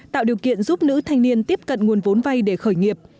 tạo điều kiện giúp nữ thanh niên tiếp cận nguồn vốn vay để khởi nghiệp